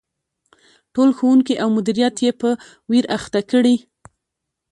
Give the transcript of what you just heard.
ټول ښوونکي او مدیریت یې په ویر اخته کړي.